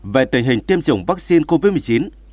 về tình hình tiêm chủng vaccine covid một mươi chín